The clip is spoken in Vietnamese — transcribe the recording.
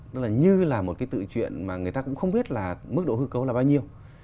tức là như là một cái tự chuyện mà người ta cũng không biết là mức độ hư cấu là bao nhiêu